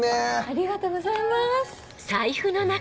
ありがとうございます。